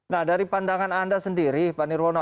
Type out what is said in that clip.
nah dari pandangan anda sendiri pak nirwono